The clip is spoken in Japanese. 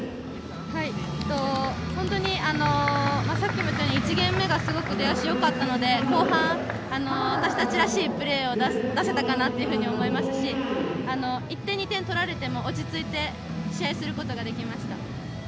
本当にさっきも言ったように１ゲーム目がすごく出足がよかったので後半、私たちらしいプレーを出せたかなと思いますし１点、２点取られても落ち着いて試合することができました。